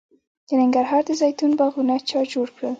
د ننګرهار د زیتون باغونه چا جوړ کړل؟